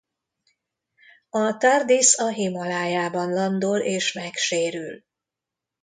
A Tardis a Himalájában landol és megsérül.